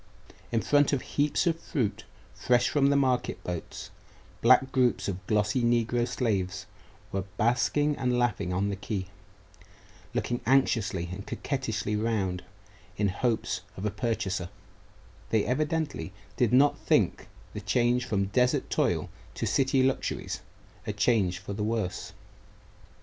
In front of heaps of fruit, fresh from the market boats, black groups of glossy negro slaves were basking and laughing on the quay, looking anxiously and coquettishly round in hopes of a purchaser; they evidently did not think the change from desert toil to city luxuries a change for the worse.